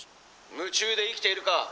「夢中で生きているか？」。